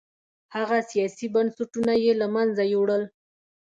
هغه سیاسي بنسټونه یې له منځه یووړل